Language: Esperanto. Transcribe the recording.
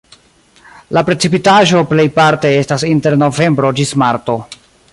La precipitaĵo plejparte estas inter novembro ĝis marto.